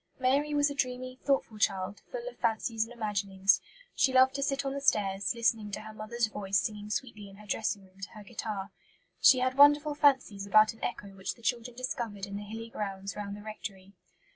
Mary was a dreamy, thoughtful child, full of fancies and imaginings. She loved to sit on the stairs, listening to her mother's voice singing sweetly in her dressing room to her guitar. She had wonderful fancies about an echo which the children discovered in the hilly grounds round the rectory.